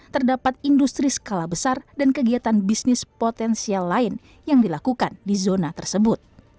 terdapat industri skala besar dan kegiatan bisnis potensial lain yang dilakukan di zona tersebut